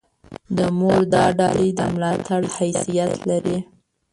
د مور دا ډالۍ د ملاتړ حیثیت لري.